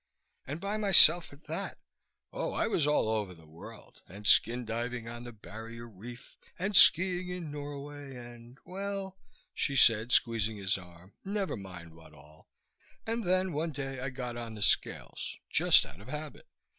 And by myself at that. Oh, I was all over the world, and skin diving on the Barrier Reef and skiing in Norway and well," she said, squeezing his arm, "never mind what all. And then one day I got on the scales, just out of habit.